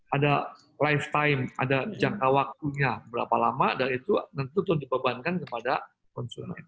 ada lifetime ada jangka waktunya berapa lama dan itu tentu dibebankan kepada konsumen